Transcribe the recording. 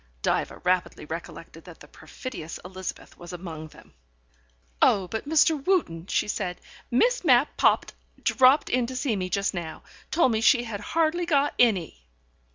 Diva rapidly recollected that the perfidious Elizabeth was among them. "Oh, but, Mr. Wootten," she said, "Miss Mapp popped dropped in to see me just now. Told me she had hardly got any."